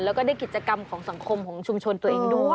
แล้วก็ได้กิจกรรมของสังคมของชุมชนตัวเองด้วย